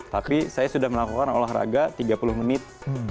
tapi saya sudah melakukan olahraga tiga puluh menit